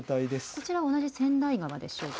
こちらは同じ千代川でしょうか。